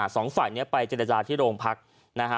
สองฝ่ายนี้ไปเจรจาที่โรงพักนะฮะ